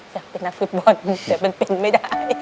อยากเป็นนักฟุตบอลแต่มันเป็นไม่ได้